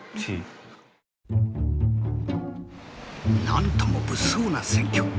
なんとも物騒な選挙。